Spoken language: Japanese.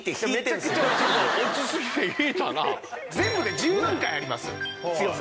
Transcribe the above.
全部で１０段階あります強さ。